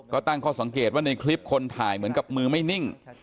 ก็ตั้งข้อสังเกตว่าในคลิปคนถ่ายเหมือนกับมือไม่นิ่ง